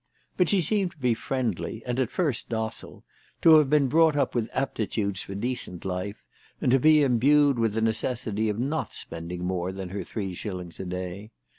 But she seemed to be friendly and at first docile, to have been brought up with aptitudes for decent life, and to be imbued with the necessity of not spending more than her three shillings a day.